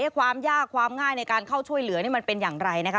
ความยากความง่ายในการเข้าช่วยเหลือนี่มันเป็นอย่างไรนะคะ